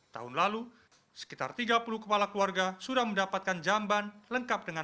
tahun lalu sekitar tiga puluh kepala keluarga sudah mendapatkan jamban lengkap dengan